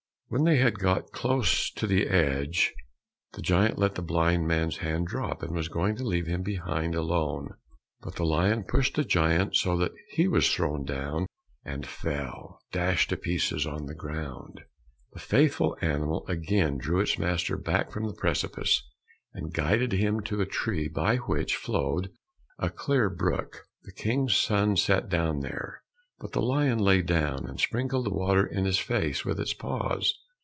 When they had got close to the edge, the giant let the blind man's hand drop, and was going to leave him behind alone, but the lion pushed the giant so that he was thrown down and fell, dashed to pieces, on the ground. The faithful animal again drew its master back from the precipice, and guided him to a tree by which flowed a clear brook. The King's son sat down there, but the lion lay down, and sprinkled the water in his face with its paws.